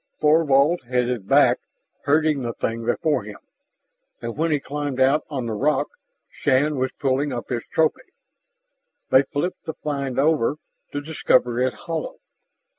Thorvald headed back, herding the thing before him. And when he climbed out on the rock, Shann was pulling up his trophy. They flipped the find over, to discover it hollow.